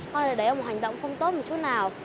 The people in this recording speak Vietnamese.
con này đấy là một hành động không tốt một chút nào